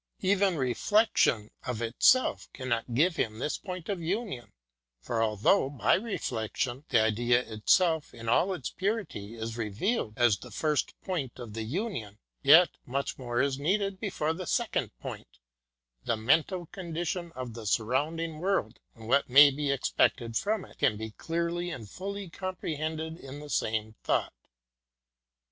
Even re flection, of itself, cannot give him this point of union, for although, by reflection, the Idea itself in all its purity is re vealed as the first point of the union, yet much more is needed before the second point the mental condition of the surrounding world, and what may be expected from it can be clearly and fully comprehended in the same thought.